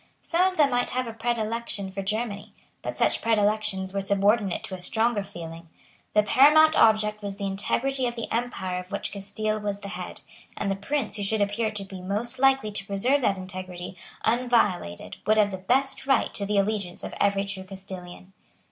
Some of them might have a predilection for Germany; but such predilections were subordinate to a stronger feeling. The paramount object was the integrity of the empire of which Castile was the head; and the prince who should appear to be most likely to preserve that integrity unviolated would have the best right to the allegiance of every true Castilian.